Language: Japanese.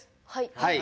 はい。